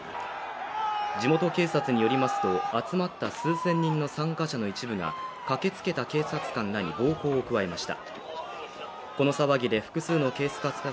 地元警察によりますと集まった数千人の参加者の一部が駆けつけた警察官らに暴行を加えました